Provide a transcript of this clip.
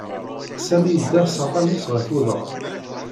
Sami idda s axxam-is ɣef uḍaṛ.